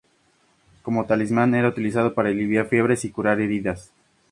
Como talismán, era utilizado para aliviar fiebres y curar heridas.